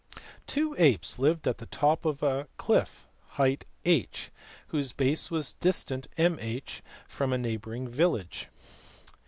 "Two apes lived at the top of a cliff of height h, whose base was distant mh from a neighbouring village.